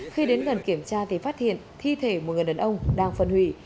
khi đến gần kiểm tra thì phát hiện thi thể một người đàn ông đang phân hủy